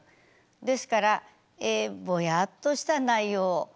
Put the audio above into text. ですからぼやっとした内容が多い。